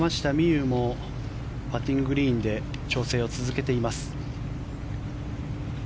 有もパッティンググリーンで調整を続けています。